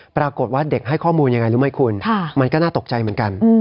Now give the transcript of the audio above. ปรากฏว่าเด็กให้ข้อมูลยังไงรู้ไหมคุณมันก็น่าตกใจเหมือนกัน